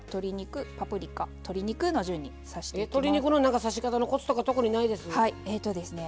鶏肉の刺し方のコツとか特にないです？